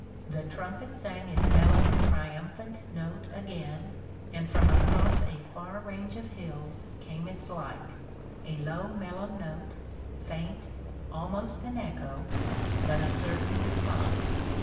The trumpet sang its mellow triumphant note again, and from across a far range of hills came its like, a low mellow note, faint, almost an echo, but a certain reply.